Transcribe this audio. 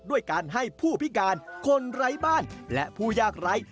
ด้วยการให้ผู้พิการคนไร้บ้านและผู้ยากไร้